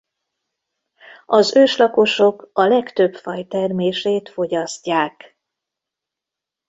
Az őslakosok a legtöbb faj termését fogyasztják.